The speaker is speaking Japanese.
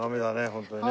ホントにね。